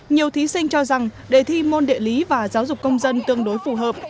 nhiều thí sinh cho rằng đề thi môn địa lý và giáo dục công dân tương đối phù hợp